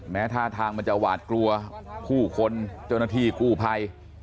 ท่าทางมันจะหวาดกลัวผู้คนเจ้าหน้าที่กู้ภัย